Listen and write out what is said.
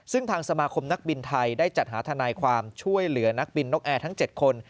ซึ่งทางสมาคมนักบินไทยได้จัดหาทนายความช่วยเหลือนักบินนกแอร์ทั้ง๗คน